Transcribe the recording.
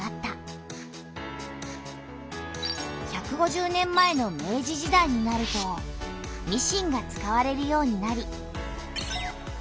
１５０年前の明治時代になるとミシンが使われるようになりたびが大量に生産された。